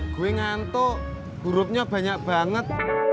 gue ngantuk hurufnya banyak banget